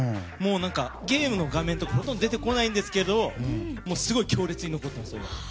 ゲームの画面はほとんど出てこないんですがすごい強烈に残ってます。